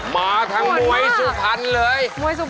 มาทั้งมวยสุพรรณเลย